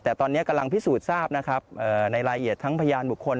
แต่ตอนนี้กำลังพิสูจน์ทราบนะครับในรายละเอียดทั้งพยานบุคคล